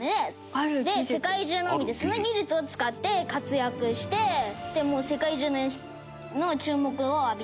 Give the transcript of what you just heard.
「世界中の海でその技術を使って活躍して世界中の注目を浴びてます」